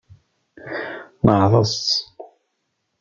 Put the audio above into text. Neɛḍes.